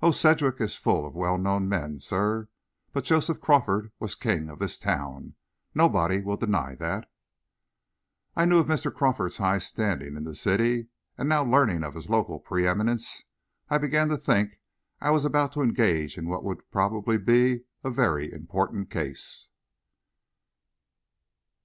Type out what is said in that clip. Oh, Sedgwick is full of well known men, sir, but Joseph Crawford was king of this town. Nobody'll deny that." I knew of Mr. Crawford's high standing in the city, and now, learning of his local preeminence, I began to think I was about to engage in what would probably be a very important case.